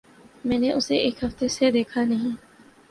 میں نے اسے ایک ہفتے سے دیکھا نہیں۔